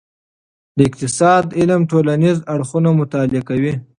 د اقتصاد علم ټولنیز اړخونه مطالعه کوي.